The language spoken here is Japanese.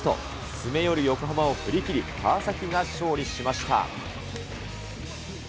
詰め寄る横浜を振りきり、川崎が勝利しました。